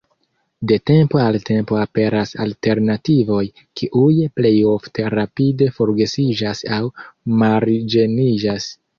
De tempo al tempo aperas alternativoj, kiuj plej ofte rapide forgesiĝas aŭ marĝeniĝas.